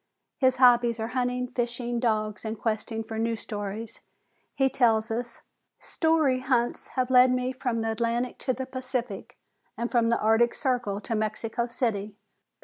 His hobbies are hunting, fishing, dogs, and questing for new stories. He tells us: "Story hunts have led me from the Atlantic to the Pacific and from the Arctic Circle to Mexico City.